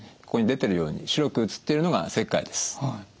ここに出てるように白く写っているのが石灰です。